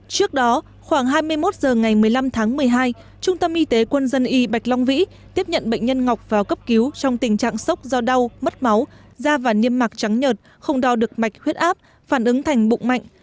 trước đó khoảng hai mươi một h ngày một mươi năm tháng một mươi hai trung tâm y tế quân dân y bạch long vĩ tiếp nhận bệnh nhân ngọc vào cấp cứu trong tình trạng sốc do đau mất máu da và niêm mạc trắng nhớt không đo được mạch huyết áp phản ứng thành bụng mạnh